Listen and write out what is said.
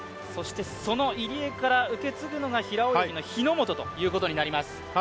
その入江から受け継ぐのが平泳ぎの日本ということになります。